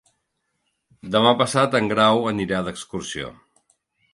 Demà passat en Grau anirà d'excursió.